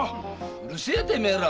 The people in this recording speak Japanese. うるせえてめえら。